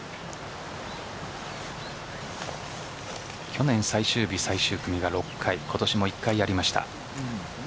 去年最終日最終組が６回今年も１回ありました。